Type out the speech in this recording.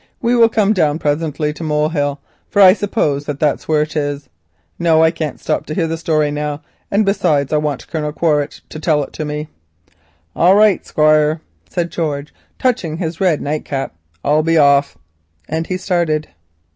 We will come down presently to Molehill, for I suppose that is where it is. No, I can't stop to hear the story now, and besides I want Colonel Quaritch to tell it to me." "All right, Squire," said George, touching his red nightcap, "I'll be off," and he started.